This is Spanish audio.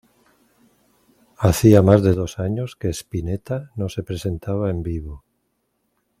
Hacía más de dos años que Spinetta no se presentaba en vivo.